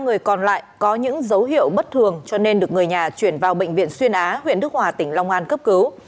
ba người còn lại có những dấu hiệu bất thường cho nên được người nhà chuyển vào bệnh viện xuyên á huyện đức hòa tỉnh long an cấp cứu